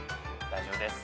大丈夫です。